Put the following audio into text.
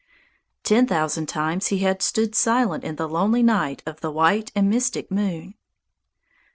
Ten thousand times he had stood silent in the lonely light of the white and mystic moon.